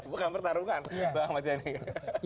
bukan pertarungan bang mat jani